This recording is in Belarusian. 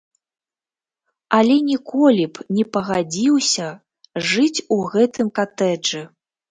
Але ніколі б не пагадзіўся жыць у гэтым катэджы.